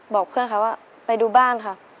บอกเพื่อนเขาว่าไปดูบ้านค่ะ